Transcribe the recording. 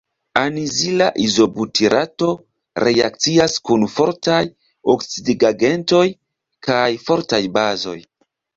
Anizila izobutirato reakcias kun fortaj oksidigagentoj kaj fortaj bazoj.